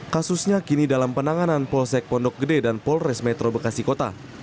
kasusnya kini dalam penanganan polsek pondok gede dan polres metro bekasi kota